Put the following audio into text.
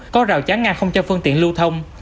có rào chắn ngang không cho phương tiện lưu thông